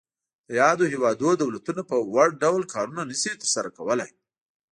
د یادو هیوادونو دولتونه په وړ ډول کارونه نشي تر سره کولای.